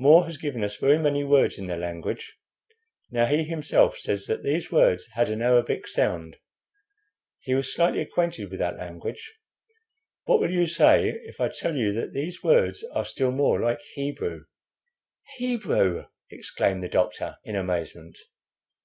More has given us very many words in their language. Now he himself says that these words had an Arabic sound. He was slightly acquainted with that language. What will you say if I tell you that these words are still more like Hebrew?" "Hebrew!" exclaimed the doctor, in amazement.